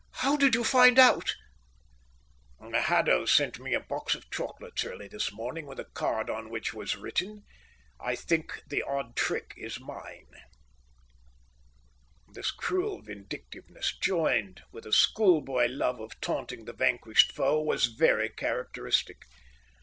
"How did you find out?" "Haddo sent me a box of chocolates early this morning with a card on which was written: I think the odd trick is mine." This cruel vindictiveness, joined with a schoolboy love of taunting the vanquished foe, was very characteristic.